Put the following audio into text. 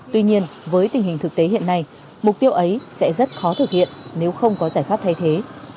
tuy nhiên với tình hình thực tế hiện nay mục tiêu ấy sẽ rất khó thực hiện nếu không có giải pháp thay thế